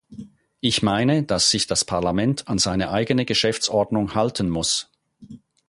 Ich meine, dass sich das Parlament an seine eigene Geschäftsordnung halten muss.